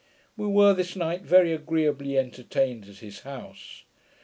We were this night very agreeably entertained at his house.